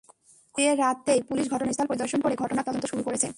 খবর পেয়ে রাতেই পুলিশ ঘটনাস্থল পরিদর্শন করে ঘটনার তদন্ত শুরু করেছে।